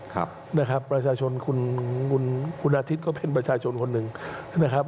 ครับนะครับประชาชนคุณคุณอาทิตย์ก็เป็นประชาชนคนหนึ่งนะครับ